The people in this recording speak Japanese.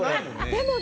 でもね